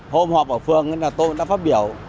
hôm họp ở phường tôi đã phát biểu